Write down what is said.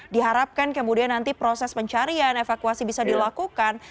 diharapkan kemudian nanti proses pencarian evakuasi bisa dilakukan